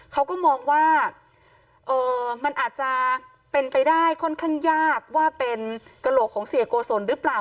เขาก็มองว่ามันอาจจะเป็นไปได้ค่อนข้างยากว่าเป็นกระโหลกของเสียโกศลหรือเปล่า